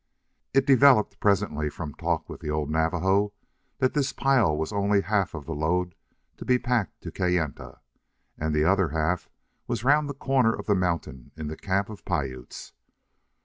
It developed, presently, from talk with the old Navajo, that this pile was only a half of the load to be packed to Kayenta, and the other half was round the corner of the mountain in the camp of Piutes.